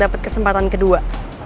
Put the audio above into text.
dapat kesempatan kedua